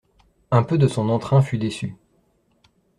Un peu de son entrain fut déçu.